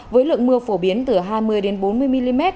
với lượng mưa phổ biến từ hai mươi bốn mươi mm